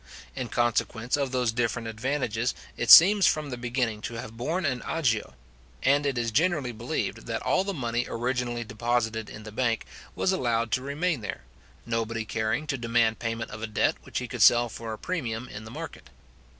In consequence of those different advantages, it seems from the beginning to have borne an agio; and it is generally believed that all the money originally deposited in the bank, was allowed to remain there, nobody caring to demand payment of a debt which he could sell for a premium in the market.